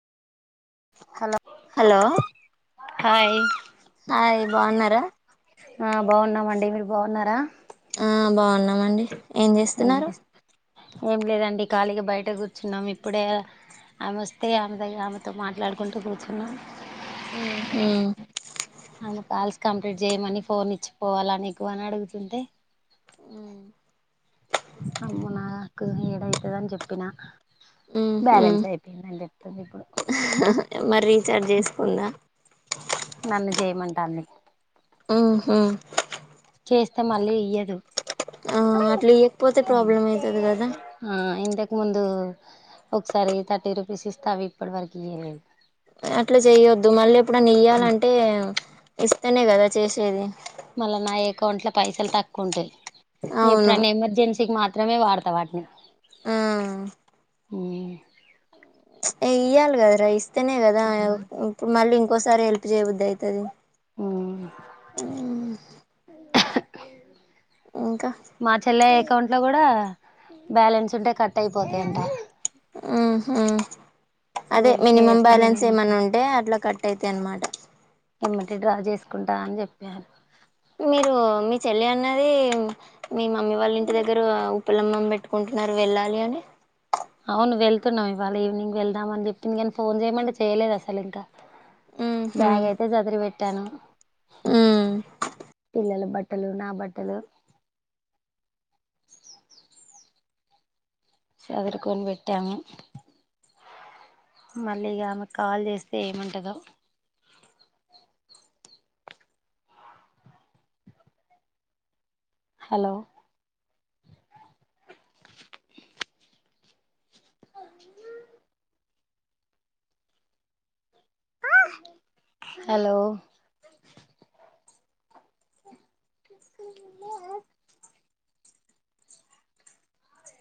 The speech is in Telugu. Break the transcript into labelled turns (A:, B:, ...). A: హలో
B: హలో
A: హాయ్
B: హాయి బాగున్నారా
A: ఆ బాగున్నామండి మీరు బాగున్నారా
B: ఆ బాగున్నామండి
A: ఏం చే ఏం లేదండి ఖాళీగా బయట కూర్చున్నాం, ఇప్పుడే ఆమె వస్తే ఆమె దగ్గ ఆమెతో మాట్లాడుకుంటూ కూర్చున్నాం.
B: హు ఉహు
A: వి జేయమని ఫోన్ ఇచ్చిపోవాల నీకు అని అడుగుతుంటే
B: హ్మ్
A: అమ్మో నాకు ఏడైతదని చెప్పిన
B: మ్మ్ హు
A: బ్యాలెన్స్ అయిపోయిందని చెప్తుంది ఇప్పుడు
B: మరి రీచార్జ్ చేసుకుందా
A: నన్ను చేయమంటాంది
B: హ్మ్ హు
A: చేస్తే మళ్ళీ ఇయ్యదు
B: ఆ అట్లియ్యకపోతే ప్రాబ్లం ఐతది గదా
A: ఆ ఇంతకు ముందు ఒకసారి థర్టీ రూపీస్ ఇస్తే అవి ఇప్పటి వరకు ఇయ్యలే
B: అట్లా చేయొద్దు మళ్ళీ ఎప్పుడు ఇయ్యాలంటే ఇస్ తేనే గదా చేసేది
A: మళ్ళ నా యెకౌంట్లో పైసలు తక్కువుంటాయి
B: అవును
A: ఎప్పుడన్నా ఎమర్జెన్సీ కి మా త్రమే వాడుతా వాట్ని
B: ఊ
A: ఊ
B: ఏయ్యాల గద రైస్ తేనే గదా ఇప్పుడు మళ్ళీ కోసారి హెల్ప్ చేయబుద్దైతాది
A: ఊ
B: ఊ
A: మా చెల్లాయి అకౌంట్ లో కూడా బ్యాలెన్స్ ఉంటే కట్ ఐపోతాయంట
B: ఊహూ అదే
A: ఊరికే
B: మినిమం
A: అయితే నేను
B: బ్యాలెన్స్ ఏమైన్నా ఉంటే అట్లా కట్ అయితే అనమాట
A: ఎమ్మటె డ్రా చేసుకుంటా అని చెప్పారు
B: మీరు మీ చెల్లి అన్నది మీ మమ్మీ వాళ్ళ ఇంటి దగ్గర ఉపలంబం పెట్టుకుంటున్నారు వేళ్ళాలీ అని
A: అవును వెళ్తున్నాం ఇవాళ ఈవినింగ్ వెళ్దామ అని చెప్పింది కానీ ఫోన్ చేయమంటె చేయలేదు అసలు ఇంకా
B: ఉహు
A: బ్యాగ్ అయితే చదిరి పెట్టాను
B: ఉమ్
A: పిల్లల బట్టలు నా బట్టలు చదరికొని పెట్టాము మళ్ళీ ఇక ఆమెకు కాల్ చేస్తే ఏమంటదో హలో ఆ హలో ఆ